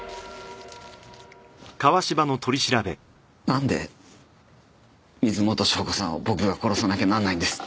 なんで水元湘子さんを僕が殺さなきゃなんないんです？